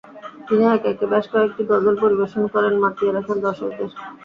তিনি একে একে বেশ কয়েকেটি গজল পরিবেশন করেন মাতিয়ে রাখেন দর্শকদের।